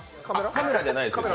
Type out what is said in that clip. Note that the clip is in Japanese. カメラじゃないです。